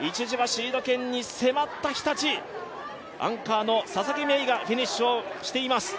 一時はシード権に迫った日立、アンカーの佐々木芽衣がフィニッシュをしています。